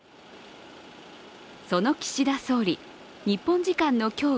その岸田総理、日本時間の今日